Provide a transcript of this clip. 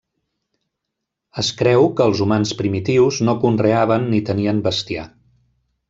Es creu que els humans primitius no conreaven ni tenien bestiar.